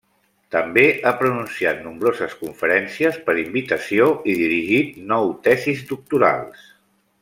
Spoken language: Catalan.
També ha pronunciat nombroses conferències per invitació i dirigit nou tesis doctorals.